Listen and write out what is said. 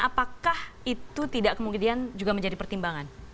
apakah itu tidak kemudian juga menjadi pertimbangan